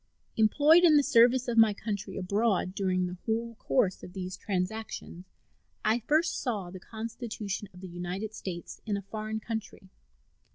Employed in the service of my country abroad during the whole course of these transactions, I first saw the Constitution of the United States in a foreign country.